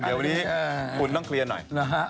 เดี๋ยวนี้อุทษ์ต้องเคลียร์หน่อย